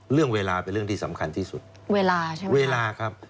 เรื่องเวลาเป็นเรื่องที่สำคัญที่สุดเวลาใช่ไหมเวลาครับ